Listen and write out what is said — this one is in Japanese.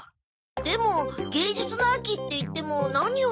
でも芸術の秋っていっても何をすれば。